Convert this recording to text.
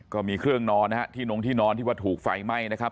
ก็มีเครื่องนอนนะฮะที่นงที่นอนที่ว่าถูกไฟไหม้นะครับ